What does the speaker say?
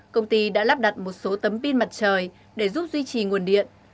công ty đã lắp đặt một số tấm pin mặt trời để giúp duy trì nguồn điện